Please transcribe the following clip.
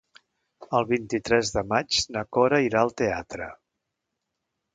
El vint-i-tres de maig na Cora irà al teatre.